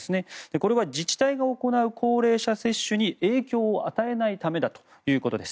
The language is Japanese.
これは自治体が行う高齢者接種に影響を与えないためだということです。